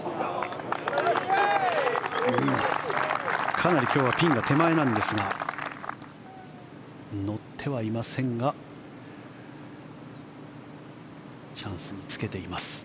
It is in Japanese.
かなり今日はピンが手前なんですが乗ってはいませんがチャンスにつけています。